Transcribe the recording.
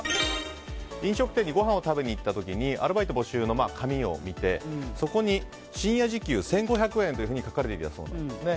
飲食店のごはんを食べに行った時にアルバイト募集の紙を見て、そこに深夜時給１５００円というふうに書かれていたそうなんですね。